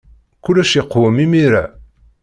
Kullec yeqwem imir-a.